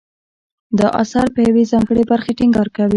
دا اثر په یوې ځانګړې برخې ټینګار کوي.